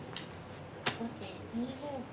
後手２五歩。